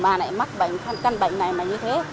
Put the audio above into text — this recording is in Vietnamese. mà bây giờ coi như là mà lại mắc bệnh căn bệnh này mà như thế